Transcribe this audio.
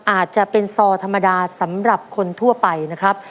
อาจจะเป็นซอธรรมดาสำหรับคนทั่วไปนะครับ